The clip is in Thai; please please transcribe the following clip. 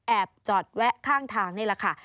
จอดแวะข้างทางนี่แหละค่ะ